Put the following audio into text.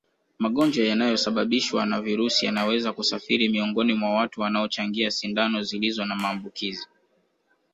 Magonjwa yanayosababishwa na virusi yanaweza kusafiri miongoni mwa watu wanaochangia sindano zilizo na maambukizi